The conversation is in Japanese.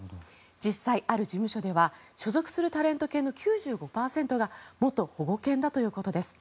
実際、ある事務所では所属するタレント犬の９５％が元保護犬だということです。